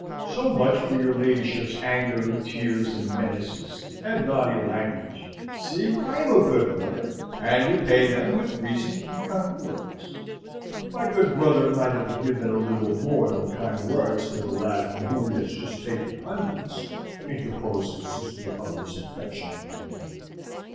So much for your ladyship's anger, and tears, and menaces, and naughty language. See! I am a good brother, and repay them with reason and kind words." "My good brother might have given a little more than kind words to the lad from whom he has just taken hundreds," interposed the sister of this affectionate brother.